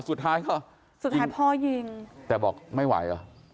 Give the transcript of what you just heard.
สุดท้ายเหรอสุดท้ายพ่อยิงแต่บอกไม่ไหวเหรอ